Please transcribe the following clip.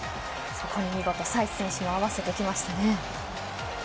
そこに見事、サイス選手も合わせてきましたね。